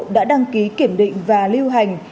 đã đăng ký kiểm định và lưu hành